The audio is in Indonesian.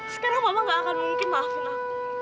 sekarang mama gak akan mungkin maafin aku